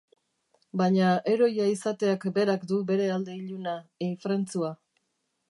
Baina heroia izateak berak du bere alde iluna, ifrentzua.